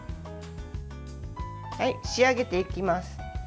仕上げていきます。